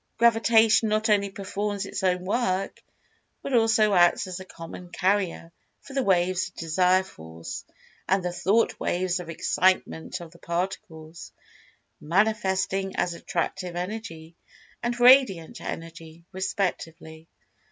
Gravitation not only performs its own work, but also acts as a "common carrier" for the waves of Desire Force, and the Thought waves of Excitement of the Particles, manifesting as Attractive Energy, and Radiant Energy, respectively.